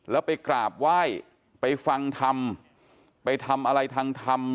แล้วไปกราบไหว้ไปฟังธรรมไปทำอะไรทางธรรม